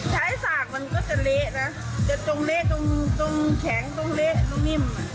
ใช้ศากมันก็จะเละนะตรงแข็งตรงเละตรงนิ่ม